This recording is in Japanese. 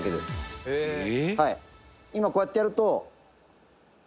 「今こうやってやると」